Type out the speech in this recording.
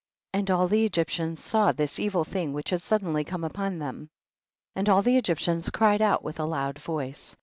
47. And all the Egyptians saw this evil which had suddenly come upon them, and all the Egyptians cried out with a loud voice.